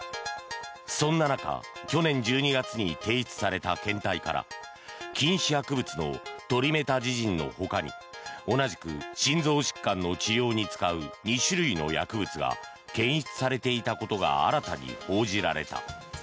そんな中、去年１２月に提出された検体から禁止薬物のトリメタジジンのほかに同じく心臓疾患の治療に使う２種類の薬物が検出されていたことが新たに報じられた。